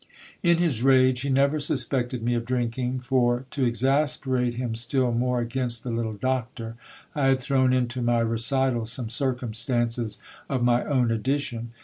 In his rage, he never suspected me of drinking : for, to exasperate him still more against the little doctor, I had thrown into my recital some circumstances of my own addition.